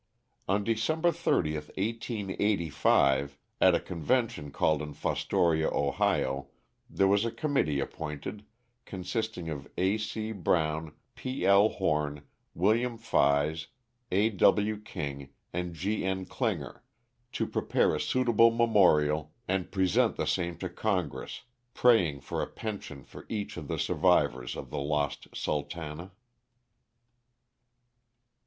On December 30, 1885, at a convention called in Fos toria, Ohio, there was a committee appointed, consisting of A. C. Brown, P. L. Horn, Wm. Fies, A. W. King, and G. N. dinger, to prepare a suitable memorial and present the same to Congress, praying for a pension for each of the survivors of the lost *' Sultana.'